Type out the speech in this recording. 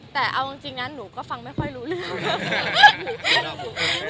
แต่เอาจริงนะหนูก็ฟังไม่ค่อยรู้เรื่อง